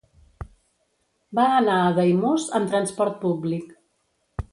Va anar a Daimús amb transport públic.